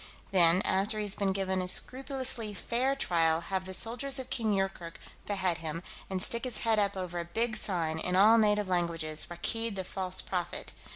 Then, after he's been given a scrupulously fair trial, have the soldiers of King Yoorkerk behead him, and stick his head up over a big sign, in all native languages, 'Rakkeed the False Prophet.'